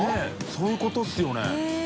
そういうことですよね。